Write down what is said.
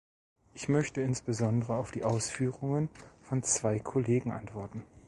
Ich möchte insbesondere auf die Ausführungen von zwei Kollegen antworten.